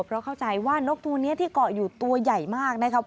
เพราะเข้าใจว่านกตัวนี้ที่เกาะอยู่ตัวใหญ่มากนะครับ